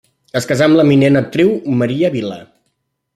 Es casà amb l'eminent actriu Maria Vila.